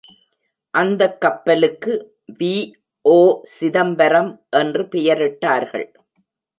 அந்தக் கப்பலுக்கு வி.ஓ.சிதம்பரம் என்று பெயரிட்டார்கள்.